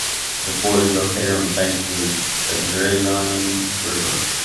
The fort is located on the banks of Indrayani river.